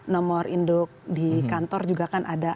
nomor induk di kantor juga kan ada